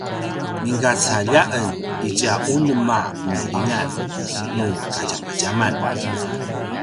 migacalj a en itja unem a milingan nu kadjamadjaman